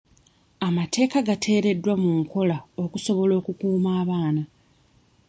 Amateeka gateereddwa mu nkola okusobola okukuuma abaana.